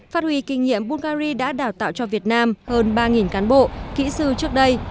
phát huy kinh nghiệm bungary đã đào tạo cho việt nam hơn ba cán bộ kỹ sư trước đây